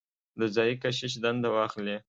د ځايي کشیش دنده واخلي.